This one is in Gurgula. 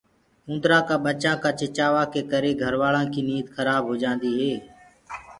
اُوندرآ ڪآ ٻڇآنٚ ڪآ چِڇآوآ ڪي ڪرآ گھروآلآ ڪي نيند کرآ هوجآندي هي۔